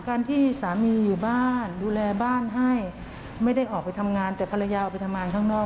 การที่สามีอยู่บ้านดูแลบ้านให้ไม่ได้ออกไปทำงานแต่ภรรยาออกไปทำงานข้างนอก